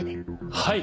はい！